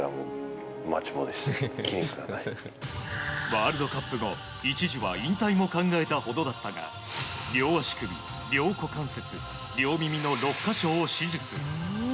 ワールドカップ後一時は引退も考えたほどだったが両足首、両股関節、両耳の６か所を手術。